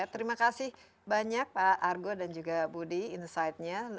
terima kasih banyak pak argo dan juga budi insightnya